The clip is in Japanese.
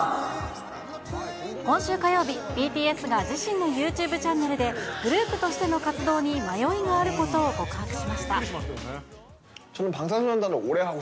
今週火曜日、ＢＴＳが自身のユーチューブチャンネルで、グループとしての活動に迷いがあることを告白しました。